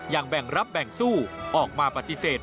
แบ่งรับแบ่งสู้ออกมาปฏิเสธ